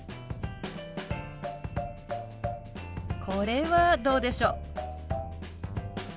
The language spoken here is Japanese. これはどうでしょう？